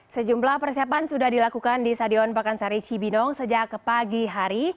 sejumlah persiapan sudah dilakukan di stadion pakansari cibinong sejak ke pagi hari